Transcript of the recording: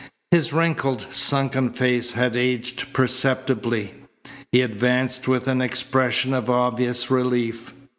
His wrinkled, sunken face had aged perceptibly. He advanced with an expression of obvious relief.